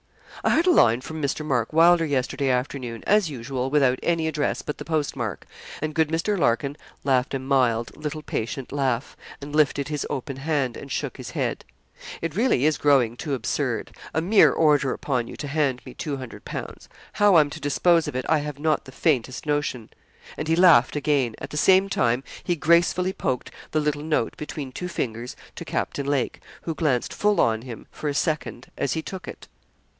'I had a line from Mr. Mark Wylder yesterday afternoon, as usual without any address but the postmark;' and good Mr. Larkin laughed a mild, little patient laugh, and lifted his open hand, and shook his head. 'It really is growing too absurd a mere order upon you to hand me 200_l._ How I'm to dispose of it, I have not the faintest notion.' And he laughed again; at the same time he gracefully poked the little note, between two fingers, to Captain Lake, who glanced full on him, for a second, as he took it.